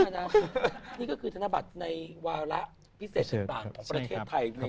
นี่ก็คือธนบัตรในวาระพิเศษต่างของประเทศไทยด้วย